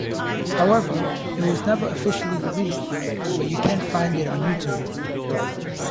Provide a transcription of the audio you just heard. However, it was never officially released, but you can find it on youtube.